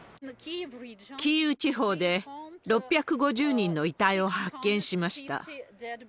キーウ地方で６５０人の遺体を発見しました。